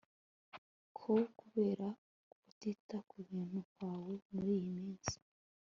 ko kubera kutita ku bintu kwawe muri iyi minsi